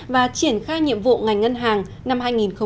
và triển khai nhiệm vụ ngành ngân hàng năm hai nghìn một mươi chín